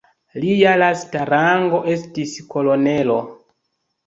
Lia lasta rango estis kolonelo.